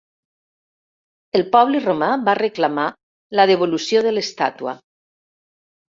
El poble romà va reclamar la devolució de l'estàtua.